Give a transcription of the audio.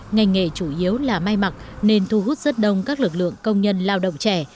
ngành nghề chủ yếu là may mặc nên thu hút rất đông các lực lượng công nhân lao động trẻ